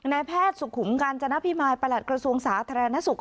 นายแพทย์ศุกร์ขุมิการจณภิมายประหลักกระทรวงศาสถาธารณสุข